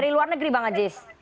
dari luar negeri bang aziz